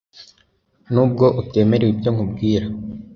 nubwo utemera ibyo nkubwira